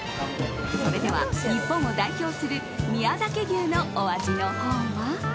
それでは、日本を代表する宮崎牛のお味のほうは？